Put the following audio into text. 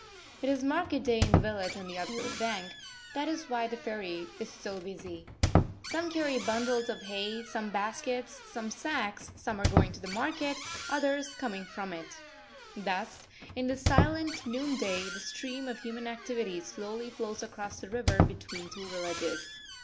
It is market day in the village on the other bank; that is why the ferry is so busy. Some carry bundles of hay, some baskets, some sacks; some are going to the market, others coming from it. Thus, in this silent noonday, the stream of human activity slowly flows across the river between two villages.